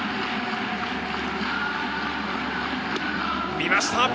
見ました。